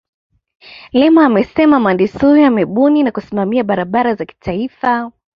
lema amesema mhandisi huyo amebuni na kusimamia barabara za kitaifa